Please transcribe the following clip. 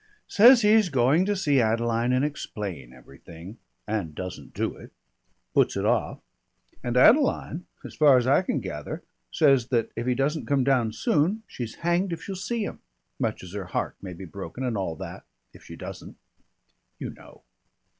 "Says he's going to see Adeline and explain everything and doesn't do it.... Puts it off. And Adeline, as far as I can gather, says that if he doesn't come down soon, she's hanged if she'll see him, much as her heart may be broken, and all that, if she doesn't. You know."